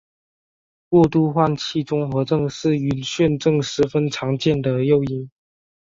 过度换气综合症是晕眩症十分常见的诱因。